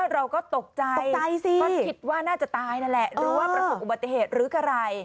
เราก็ตกใจตกใจสิก็คิดว่าน่าจะตายนั่นแหละหรือว่าประสบอุบัติเหตุหรืออะไร